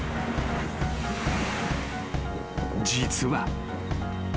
［実は］